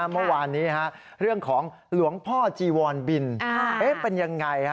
เมื่อวานนี้เรื่องของหลวงพ่อจีวรบินเป็นยังไง